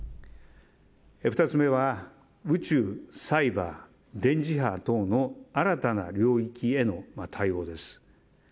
２つ目は宇宙、サイバー電磁波等の新たな領域への対応です。